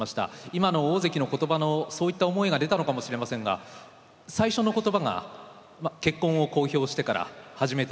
今の大関の言葉のそういった思いが出たのかもしれませんが最初の言葉が「結婚を公表してから初めての優勝でうれしいです」と。